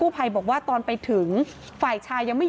กู้ภัยก็เลยมาช่วยแต่ฝ่ายชายก็เลยมาช่วย